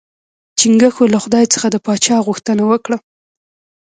چنګښو له خدای څخه د پاچا غوښتنه وکړه.